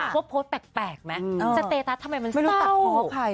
พบโพสต์แปลกไหมจะเตตัดทำไมมันเศร้า